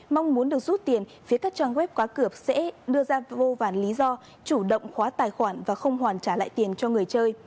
mong muốn được rút tiền phía các trang web cá cược sẽ đưa ra vô vàn lý do chủ động khóa tài khoản và không hoàn trả lại tiền cho người chơi